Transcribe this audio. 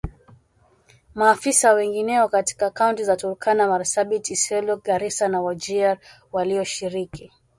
maafisa wengineo katika Kaunti za Turkana Marsabit Isiolo Garissa na Wajir walioshiriki